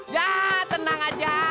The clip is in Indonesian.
ya tenang aja